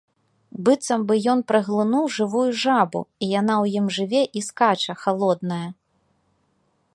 Быццам бы ён праглынуў жывую жабу і яна ў ім жыве і скача, халодная.